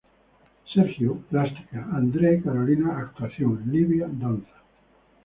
Sergio: plástica; Andrea y Carolina: actuación; Livia: danza.